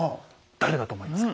誰だと思いますか？